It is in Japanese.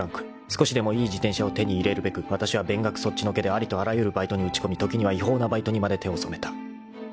［少しでもいい自転車を手に入れるべくわたしは勉学そっちのけでありとあらゆるバイトに打ち込み時には違法なバイトにまで手を染めた］